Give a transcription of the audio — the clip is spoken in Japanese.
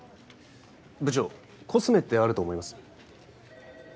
部長コスメってあると思います？